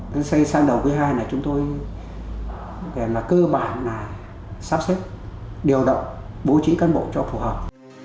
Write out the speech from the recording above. đến xây sang đầu quý ii là chúng tôi cơ bản là sắp xếp điều động bố trí cán bộ cho phù hợp